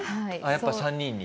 やっぱ３人に？